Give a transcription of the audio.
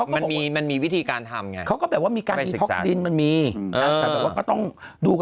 มันมีมันมีวิธีการทำเขาก็แบบว่ามีการมีมันมีก็ต้องดู